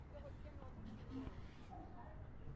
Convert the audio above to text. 演出大获观众好评。